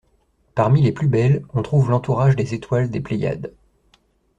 Parmi les plus belles on trouve l'entourage des étoiles des Pléiades.